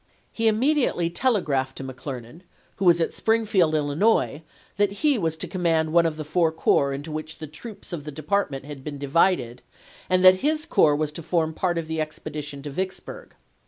He immediately telegraphed to McClernand, who was at Springfield, Illinois, that he was to command one of the four corps into which the troops of the department had been divided, and that his corps was to form part of the expedition to Vicksburg.